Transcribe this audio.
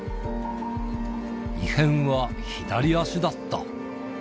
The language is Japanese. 異変は左足だった。